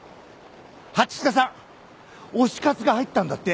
蜂須賀さん推し活が入ったんだって。